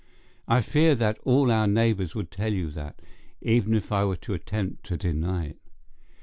I fear that all our neighbours would tell you that, even if I were to attempt to deny it.